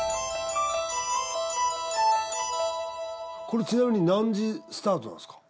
これちなみに何時スタートなんですか？